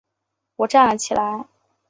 我站了起来